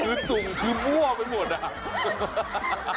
ผีสุ่มผีมั่วไปหมดนะครับ